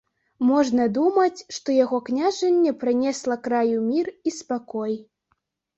Можна думаць, што яго княжанне прынесла краю мір і спакой.